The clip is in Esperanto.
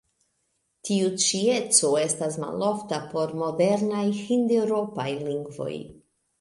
Tiu ĉi eco estas malofta por modernaj hindeŭropaj lingvoj.